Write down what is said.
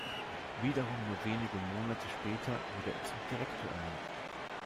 Wiederum nur wenige Monate später wurde er zum Direktor ernannt.